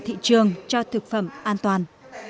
thị trường cho thực phẩm an toàn